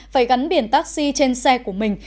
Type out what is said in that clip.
phải gắn biển taxi trên xe của mình